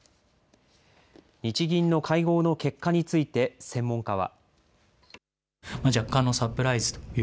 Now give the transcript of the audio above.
日銀の会合の結果について、専門家は。